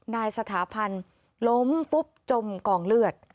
นายสถาพันธ์ล้มฟุบจมกองเลือด